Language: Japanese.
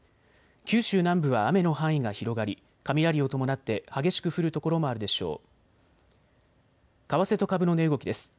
九州南部は雨の範囲が広がり雷を伴って激しく降る所もあるでしょう。